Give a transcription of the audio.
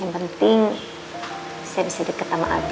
yang penting saya bisa deket sama abi